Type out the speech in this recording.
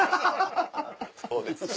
そうですか。